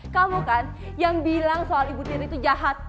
kamu kan yang bilang soal ibu tiri itu jahat